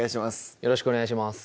よろしくお願いします